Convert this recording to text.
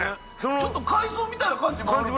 ちょっと海藻みたいな感じもありますね。